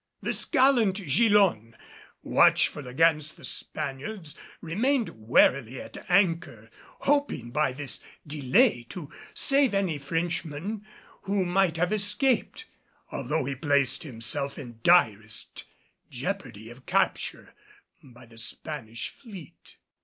This gallant Gillonne, watchful against the Spaniards, remained warily at anchor, hoping by this delay to save any Frenchman who might have escaped, although he thus placed himself in direst jeopardy of capture by the Spanish fleet.